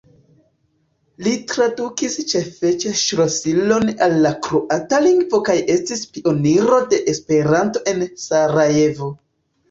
Li tradukis Ĉefeĉ-ŝlosilon al la kroata lingvo kaj estis pioniro de Esperanto en Sarajevo.